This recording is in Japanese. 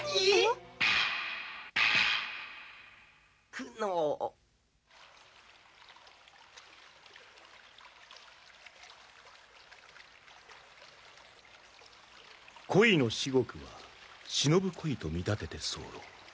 九能「恋の至極は忍ぶ恋と見立てて候」